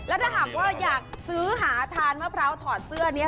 ถ้าหากว่าอยากซื้อหาทานมะพร้าวถอดเสื้อนี้